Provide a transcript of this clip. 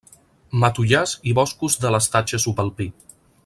Matollars i boscos de l'estatge subalpí.